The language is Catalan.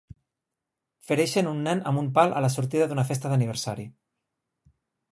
Fereixen un nen amb un pal a la sortida d'una festa d'aniversari.